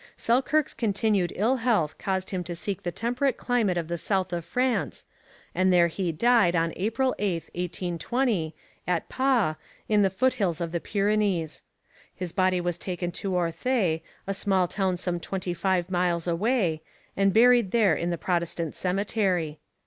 Selkirk's continued ill health caused him to seek the temperate climate of the south of France, and there he died on April 8, 1820, at Pau, in the foothills of the Pyrenees. His body was taken to Orthez, a small town some twenty five miles away, and buried there in the Protestant cemetery.